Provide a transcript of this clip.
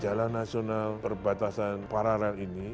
jalan nasional perbatasan paralel ini